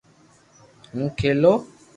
ھون کيلو